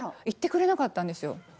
言ってくれなかったんですよ。